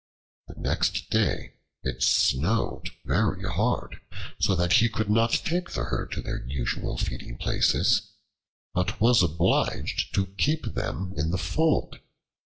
The next day it snowed very hard, so that he could not take the herd to their usual feeding places, but was obliged to keep them in the fold.